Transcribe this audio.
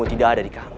tidak ada di kamu